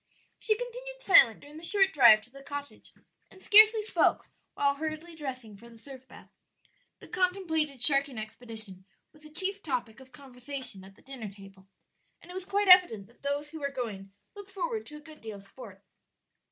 She continued silent during the short drive to the cottage, and scarcely spoke while hurriedly dressing for the surf bath. The contemplated sharking expedition was the chief topic of conversation at the dinner table, and it was quite evident that those who were going looked forward to a good deal of sport.